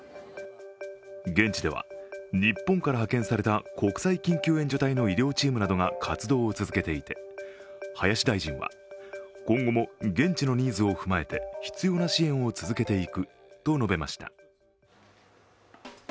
現地では、日本から派遣された国際緊急援助隊の医療チームなどが活動を続けていて、林大臣は今後も現地のニーズを踏まえて必要な支援を続けていくと述べました。